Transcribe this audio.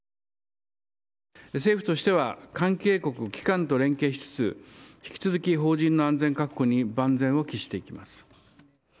政府としては関係国、機関と連携しつつ、引き続き邦人の安全確保に万全を期していきます。